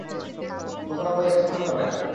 কখনও বই এর অসম্মান করবে না!